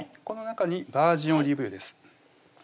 この中にバージンオリーブ油です